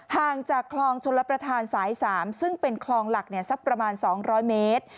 ห่างจากคลองชลประธานสาย๓ซึ่งเป็นคลองหลักสักประมาณ๒๐๐เมตร